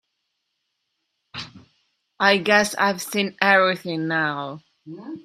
I guess I've seen everything now.